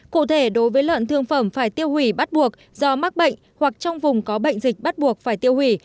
cụ thể đối với lợn thương phẩm phải tiêu hủy bắt buộc do mắc bệnh hoặc trong vùng có bệnh dịch bắt buộc phải tiêu hủy